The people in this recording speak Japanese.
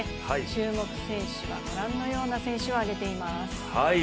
注目選手は御覧のような選手を挙げています。